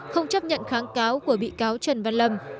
không chấp nhận kháng cáo của bị cáo trần văn lâm